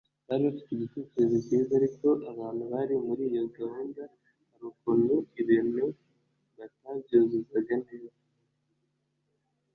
Bari bafite igitekerezo cyiza ariko abantu bari muri iyo gahunda hari ukuntu ibintu batabyuzuza neza